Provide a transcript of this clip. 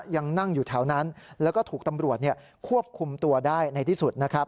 ยังนั่งอยู่แถวนั้นแล้วก็ถูกตำรวจควบคุมตัวได้ในที่สุดนะครับ